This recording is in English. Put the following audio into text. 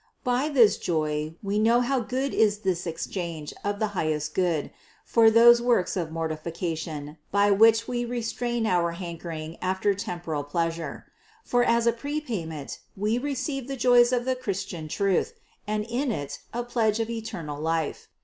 By this joy we know how good is this exchange of the highest good for those works of mortification by which we restrain our hankering after temporal pleasure; for as a prepayment we receive the joys of the Christian truth and in it a pledge of eternal life.